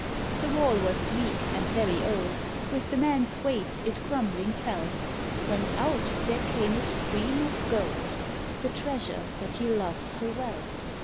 The wall was weak and very old, With the man's weight it crumbling fell; When out there came a stream of gold, The Treasure that he loved so well.